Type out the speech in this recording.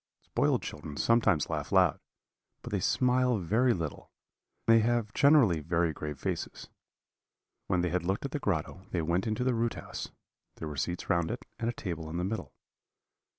Spoiled children sometimes laugh loud, but they smile very little; they have generally very grave faces. "When they had looked at the grotto, they went into the root house; there were seats round it, and a table in the middle.